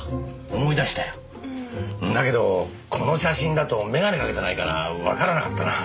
思い出したよ。だけどこの写真だと眼鏡かけてないからわからなかったな。